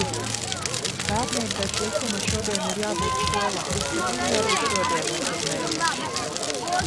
Bērniem pēc likuma šodien ir jābūt skolā, bet viņi arī šodien nekur neies.